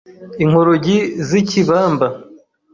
Inkorogi z'i Kibamba